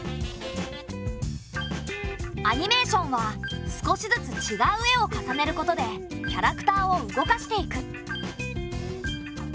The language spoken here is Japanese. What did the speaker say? アニメーションは少しずつちがう絵を重ねることでキャラクターを動かしていく。